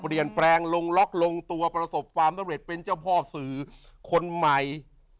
เปลี่ยนแปลงลงล็อกลงตัวประสบความสำเร็จเป็นเจ้าพ่อสื่อคนใหม่